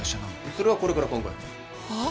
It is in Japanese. それはこれから考えるはあ？